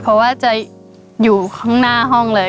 เพราะว่าจะอยู่ข้างหน้าห้องเลย